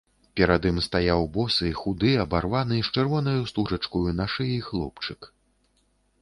Перад ім стаяў босы, худы, абарваны, з чырвонаю стужачкаю на шыі хлопчык.